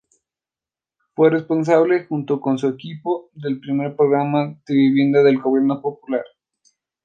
Fue responsable, junto con su equipo, del primer programa de Vivienda del Gobierno Popular.